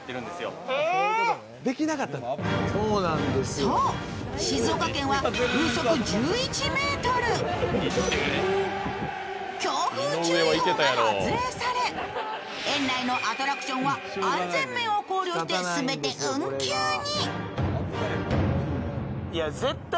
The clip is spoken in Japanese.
そう、静岡県は風速１１メートル強風注意報が発令され、園内のアトラクションは安全面を考慮して全て運休に。